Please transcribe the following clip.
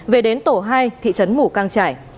về đến tổ hai thị trấn mù căng trải